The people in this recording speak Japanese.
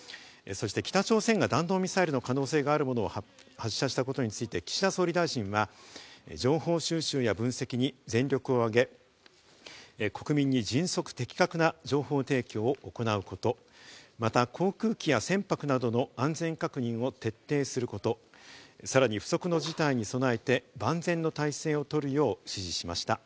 そして北朝鮮が弾道ミサイルの可能性があるものを発射したことについて岸田総理大臣は、情報収集や分析に全力を挙げ、国民に迅速、的確な情報提供を行うこと、また航空機や船舶などの安全確認を徹底すること、さらに不測の事態に備えて万全の態勢をとるよう指示しました。